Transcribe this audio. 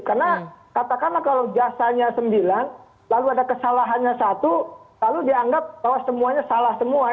karena katakanlah kalau jasanya sembilan lalu ada kesalahannya satu lalu dianggap bahwa semuanya salah semua